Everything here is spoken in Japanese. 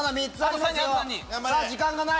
さぁ時間がない。